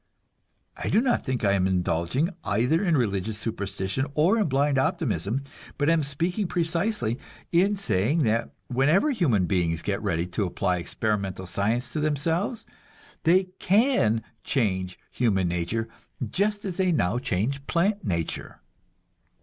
I do not think I am indulging either in religious superstition or in blind optimism, but am speaking precisely, in saying that whenever human beings get ready to apply experimental science to themselves, they can change human nature just as they now change plant nature.